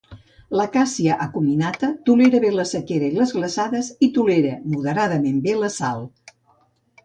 L'"Acacia acuminata" tolera bé la sequera i les glaçades, i tolera moderadament bé la sal.